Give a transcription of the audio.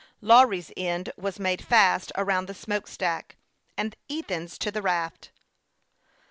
Lawry's end was made fast around the smoke stack, and Ethan's to the raft.